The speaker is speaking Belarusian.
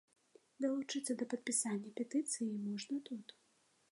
Далучыцца да падпісання петыцыі можна тут.